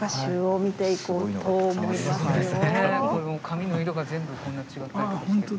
紙の色が全部こんな違ったりとかして。